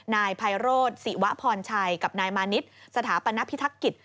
นายไพโรธศิวะพรชัยกับนายมานิดสถาปนพิทักษิต